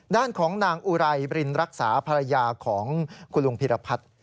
ด้านของนางอุไรบรินรักษาภรรยาของคุณลุงพิรพัฒน์